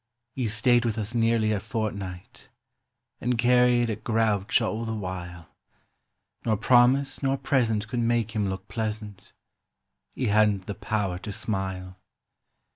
He stayed with us nearly a fortnight And carried a grouch all the while, Nor promise nor present could make him look pleasant; He hadn't the power to smile.